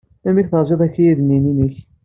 Amek tezriḍ akayad-nni inek?